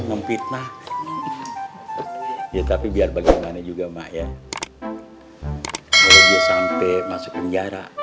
memfitnah ya tapi biar bagaimana juga mak ya kalau dia sampai masuk penjara